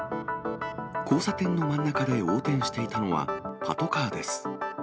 交差点の真ん中で横転していたのは、パトカーです。